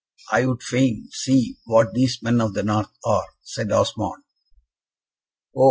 "I would fain see what these men of the North are," said Osmond. "Oh!